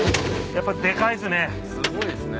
やっぱりでかいですね！